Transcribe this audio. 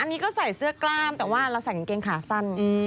อันนี้ก็ใส่เสื้อกล้ามแต่ว่าเราใส่กางเกงขาสั้น